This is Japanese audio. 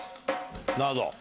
なるほど。